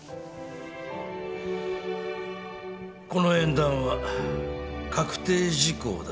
この縁談は確定事項だ。